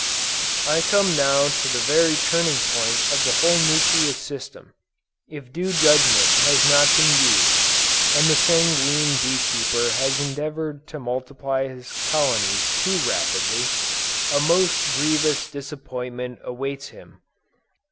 I come now to the very turning point of the whole nucleus system. If due judgment has not been used, and the sanguine bee keeper has endeavored to multiply his colonies too rapidly, a most grievous disappointment awaits him.